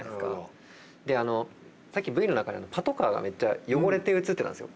であのさっきＶの中でパトカーがめっちゃ汚れて映ってたんすよ。